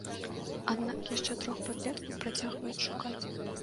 Аднак яшчэ трох падлеткаў працягваюць шукаць.